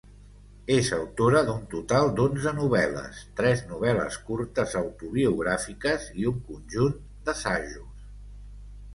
És autora d'un total d'onze novel·les, tres novel·les curtes autobiogràfiques i un conjunt d'assajos.